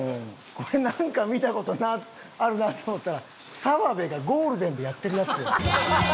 これなんか見た事あるなと思ったら澤部がゴールデンでやってるやつや。